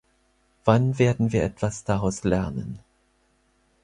Wann werden wir etwas daraus lernen?